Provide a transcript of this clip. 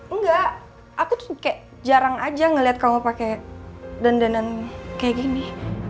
enggak aku tuh kayak jarang aja ngelihat kamu pakai dandan dandan kayak gini